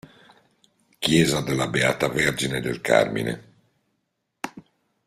Chiesa della Beata Vergine del Carmine